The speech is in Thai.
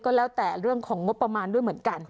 แล้วแต่เรื่องของงบประมาณด้วยเหมือนกัน